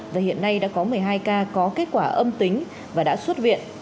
và hiện nay đã có một mươi hai ca có kết quả âm tính và đã xuất viện